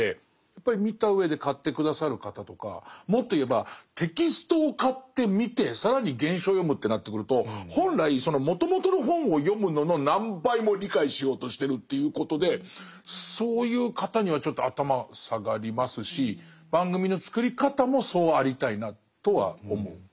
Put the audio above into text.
やっぱり見たうえで買って下さる方とかもっと言えばテキストを買って見て更に原書を読むってなってくると本来そのもともとの本を読むのの何倍も理解しようとしてるっていうことでそういう方にはちょっと頭下がりますし番組の作り方もそうありたいなとは思う。